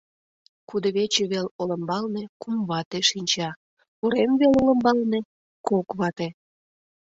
Кудывече вел олымбалне кум вате шинча, урем вел олымбалне — кок вате.